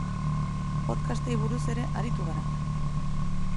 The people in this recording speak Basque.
Podcastei buruz ere aritu gara.